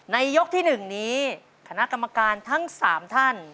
ในยกที่หนึ่งนี้คณะกรรมการทั้งสามท่าน